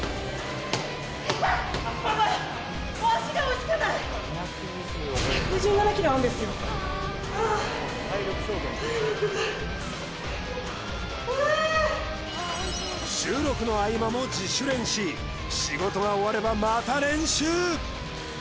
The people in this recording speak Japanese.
ヤバいはあっ収録の合間も自主練し仕事が終わればまた練習！